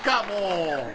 もう。